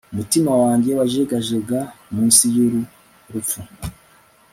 umutima wanjye wajegajega munsi y'uru rupfu